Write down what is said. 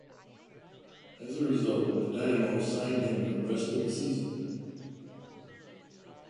As a result, the Dynamo signed him for the rest of the season.